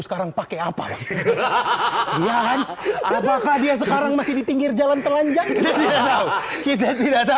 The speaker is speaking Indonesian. sekarang pakai apa hahaha dia sekarang masih di pinggir jalan telanjang tidak tahu tidak tahu